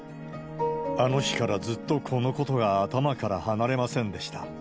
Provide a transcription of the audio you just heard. あの日からずっとこのことが頭から離れませんでした。